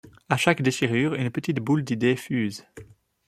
à chaque déchirure une petite boule d'idée fuse.